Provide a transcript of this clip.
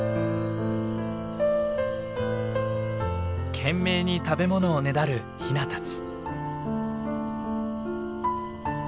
懸命に食べ物をねだるヒナたち。